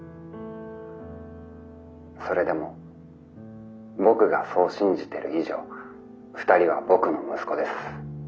それでも僕がそう信じてる以上２人は僕の息子です。